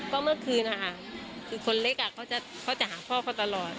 ก็เมื่อคืนนะคะคือคนเล็กเขาจะหาพ่อเขาตลอด